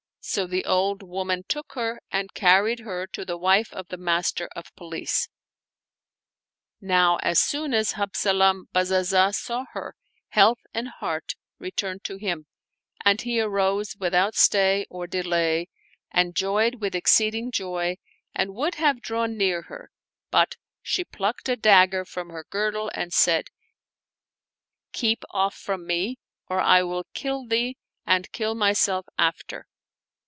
So tiie old woman took her and carried her to the wife of the Master of Police. Now as soon as Habzalam Bazazah saw her, health and heart returned to him, and he arose without stay or delay and joyed with exceeding joy and would have drawn near her; but she plucked a ds^ger from her girdle and said, " Keep off from me, or I will kill thee and kill myself after."